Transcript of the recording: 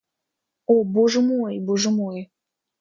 О, Боже мой, Боже мой!